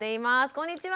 こんにちは！